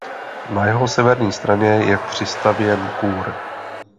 Na jeho severní straně je přistavěn kůr.